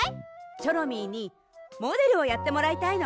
チョロミーにモデルをやってもらいたいの。